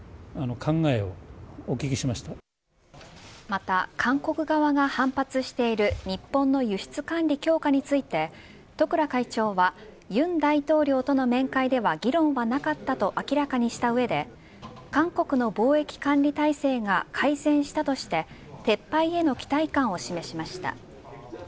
また韓国側が反発している日本の輸出管理強化について十倉会長は尹大統領との面会では議論はなかったと明らかにした上で韓国の貿易管理体制が改善したとして撤廃への期待感を示しました。